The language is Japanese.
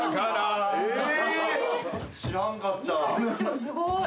すごい！